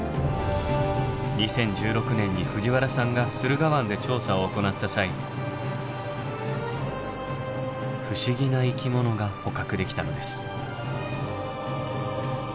２０１６年に藤原さんが駿河湾で調査を行った際不思議な生き物が捕獲できたのです。